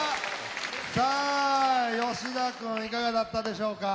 さあ吉田君いかがだったでしょうか。